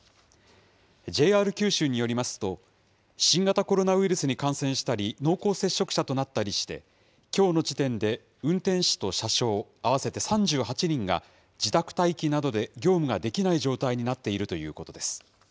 ＪＲ九州によりますと、新型コロナウイルスに感染したり、濃厚接触者となったりして、きょうの時点で運転士と車掌合わせて３８人が、自宅待機などで業務ができない状態になっているということです。